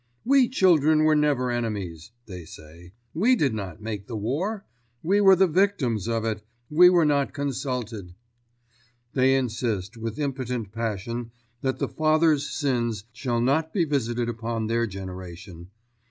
"We children were never enemies," they say. "We did not make the war. We were the victims of it. We were not consulted." They insist, with impotent passion, that the fathers' sins shall not be visited upon their generation.